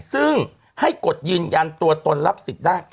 ซึ่งให้กดยืนยันตัวตนรับสิทธิ์ได้